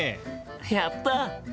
やった！